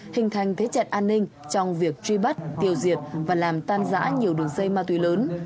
hình thành thế trận an ninh trong việc truy bắt tiêu diệt và làm tan giã nhiều đường dây ma túy lớn